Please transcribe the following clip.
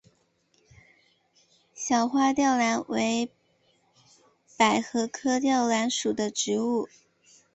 小花吊兰为百合科吊兰属的植物。